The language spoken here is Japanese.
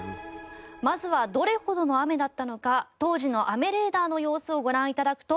まずはどれほどの雨だったのか当時の雨レーダーの様子をご覧いただくと。